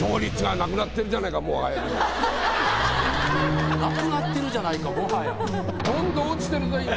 「なくなってるじゃないかもはや」？